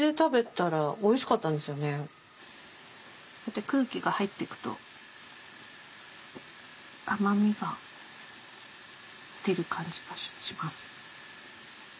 で空気が入ってくと甘みが出る感じがします。